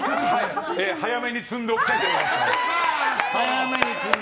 早めに摘んでおきたいと思います。